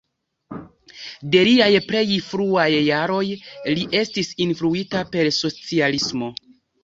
De liaj plej fruaj jaroj, li estis influita per socialismo.